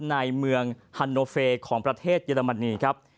ในเมืองฮันโนเฟย์ของประเทศเยอรมนีครับ